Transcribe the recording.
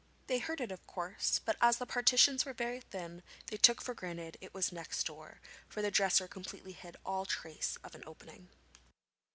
They heard it of course, but as the partitions were very thin, they took for granted it was next door, for the dresser completely hid all trace of an opening.